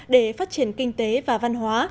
để phát triển kinh tế và văn hóa